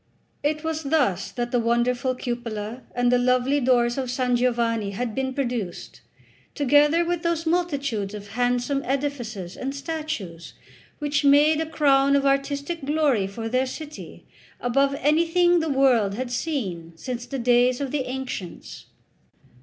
It was thus that the wonderful cupola and the lovely doors of San Giovanni had been produced, together with those multitudes of handsome edifices and statues which made a crown of artistic glory for their city above anything the world had seen since the days of the ancients.